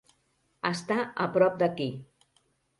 Està a prop d"aquí!